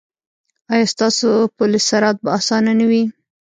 ایا ستاسو پل صراط به اسانه نه وي؟